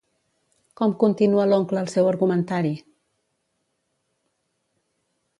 Com continua l'oncle el seu argumentari?